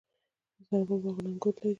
د سرپل باغونه انګور لري.